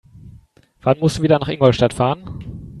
Wann musst du wieder nach Ingolstadt fahren?